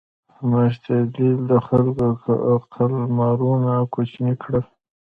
میشتېدل د خلکو قلمرو کوچني کړل.